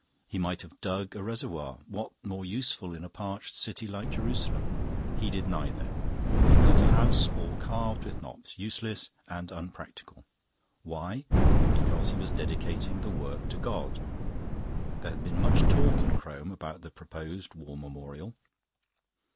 He might have dug a reservoir what more useful in a parched city like Jerusalem? He did neither; he built a house all carved with knops, useless and unpractical. Why? Because he was dedicating the work to God. There had been much talk in Crome about the proposed War Memorial.